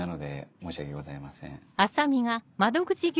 申し訳ございません。